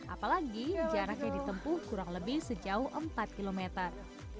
apalagi jaraknya ditempuh kurang lebih sejauh empat kilometer